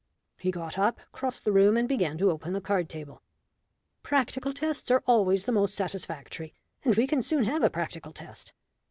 He got up, crossed the room, and began to open the card table. "Practical tests are always the most satisfactory, and we can soon have a practical test."